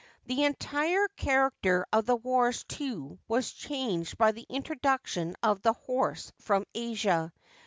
The entire char acter of the wars, too, was changed by the introduction of the horse from Asia.